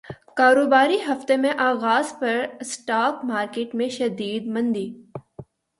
کاروباری ہفتے کے اغاز پر اسٹاک مارکیٹ میں شدید مندی